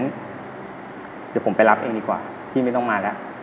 เดี๋ยวผมไปรับเองดีกว่าพี่ไม่ต้องมาแล้ว